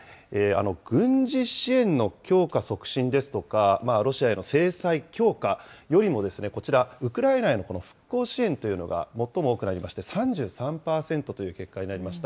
軍事支援の強化促進ですとか、ロシアへの制裁強化よりも、こちら、ウクライナへの復興支援というのが最も多くなりまして、３３％という結果になりました。